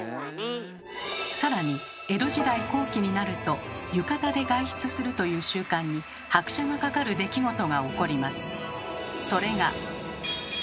さらに江戸時代後期になると「浴衣で外出する」という習慣に拍車がかかる出来事が起こります。